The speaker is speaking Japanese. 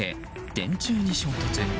電柱に衝突。